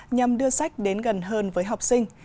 nhằm đưa sách đến gần hơn với học sinh